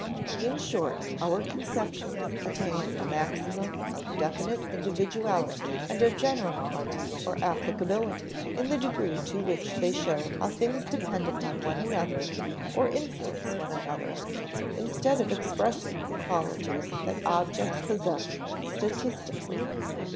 In short, our conceptions attain a maximum of definite individuality and of generality (or applicability) in the degree to which they show how things depend upon one another or influence one another, instead of expressing the qualities that objects possess statically.